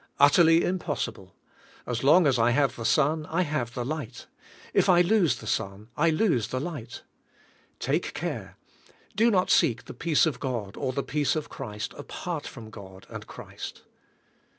Utterly impossible. As long as I have the sun I have the light. If I lose the sun I lose the light. Take care! Do not seek the peace of God or the peace of Christ apart from God and Christ.